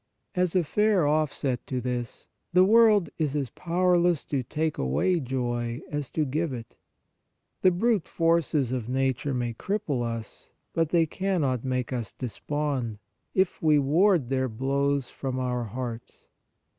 As a fair offset to this, the world is as powerless to take away joy as to give it. The brute forces of nature may cripple us, but they cannot make us despond, if we ward their blows from our hearts.